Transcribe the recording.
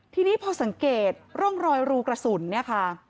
ทีนี้พอสังเกตร่องรอยรูกระสุนเนี่ยค่ะ